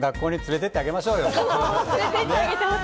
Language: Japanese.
おいもくん、学校に連れて行ってあげましょうよ。